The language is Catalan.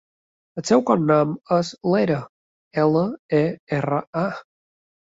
El seu cognom és Lera: ela, e, erra, a.